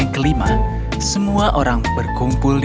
selamat ulang tahun putri